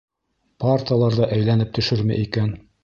Парталар ҙа әйләнеп төшөрмө икән?